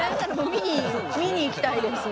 見に行きたいです